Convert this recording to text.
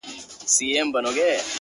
د ژوند كولو د ريښتني انځور”